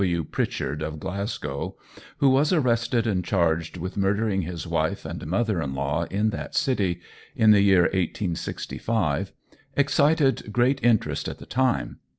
W. Pritchard of Glasgow, who was arrested and charged with murdering his wife and mother in law in that city in the year 1865, excited great interest at the time.